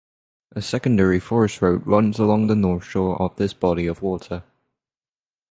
A secondary forest road runs along the north shore of this body of water.